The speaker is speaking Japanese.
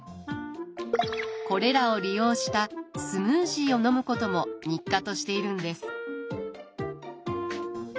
これらを利用したスムージーを飲むことも日課としているんです。